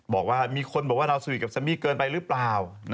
บอกว่ามีคนบอกว่าเราสนิทกับแซมมี่เกินไปหรือเปล่า